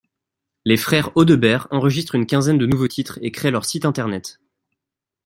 Les frères Audebert enregistrent une quinzaine de nouveaux titres et créent leur site internet.